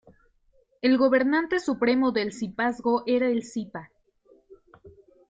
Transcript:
El gobernante supremo del Zipazgo era el Zipa.